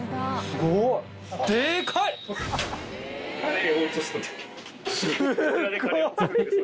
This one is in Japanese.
すごいよ。